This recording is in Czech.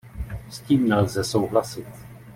S tím nelze souhlasit.